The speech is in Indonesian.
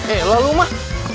eh lalu mah